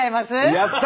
やった！